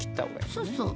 そうそう。